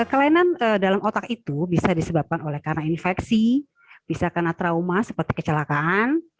kelainan dalam otak itu bisa disebabkan oleh karena infeksi bisa karena trauma seperti kecelakaan